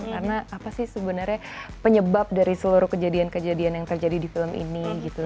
karena apa sih sebenarnya penyebab dari seluruh kejadian kejadian yang terjadi di film ini gitu